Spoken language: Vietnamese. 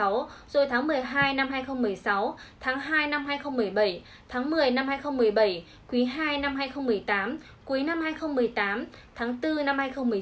rồi tháng một mươi hai năm hai nghìn một mươi sáu tháng hai năm hai nghìn một mươi bảy tháng một mươi năm hai nghìn một mươi bảy quý ii năm hai nghìn một mươi tám cuối năm hai nghìn một mươi tám tháng bốn năm hai nghìn một mươi chín